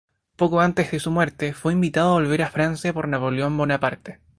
Poco antes de su muerte fue invitado a volver a Francia por Napoleón Bonaparte.